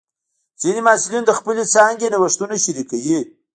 ځینې محصلین د خپلې څانګې نوښتونه شریکوي.